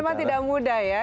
memang tidak mudah ya